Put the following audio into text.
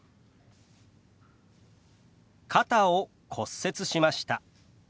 「肩を骨折しました」。